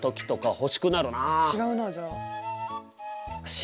違うなじゃあ。